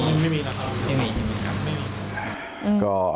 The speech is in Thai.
ตอนนี้ก็ถูกแจ้งข้อหาไว้แล้ว